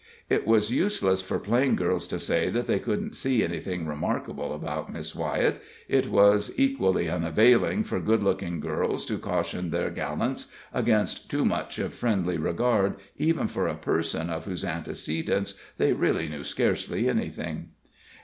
It was useless for plain girls to say that they couldn't see anything remarkable about Miss Wyett; it was equally unavailing for good looking girls to caution their gallants against too much of friendly regard even for a person of whose antecedents they really knew scarcely anything.